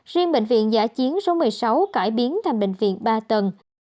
riêng bệnh viện giả chiến số một mươi sáu cải biến thành bệnh viện ba tầng